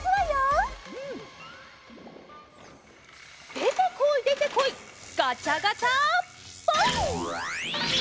でてこいでてこいガチャガチャポン！